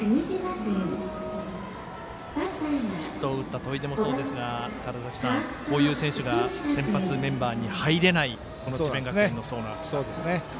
ヒットを打った砥出もそうですが川原崎さん、こういう選手が先発メンバーに入れない智弁学園の層の厚さ。